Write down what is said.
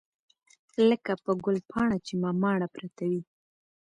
لکه په ګلپاڼه چې مماڼه پرته وي.